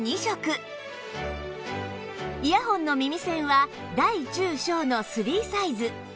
イヤホンの耳栓は大・中・小の３サイズ